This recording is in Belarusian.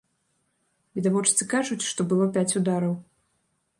Відавочцы кажуць, што было пяць удараў.